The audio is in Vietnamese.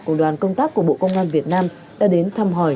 cùng đoàn công tác của bộ công an việt nam đã đến thăm hỏi